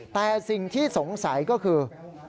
แต่สิ่งที่สงสัยก็คือ